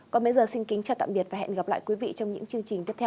còn bây giờ xin kính chào tạm biệt và hẹn gặp lại quý vị trong những chương trình tiếp theo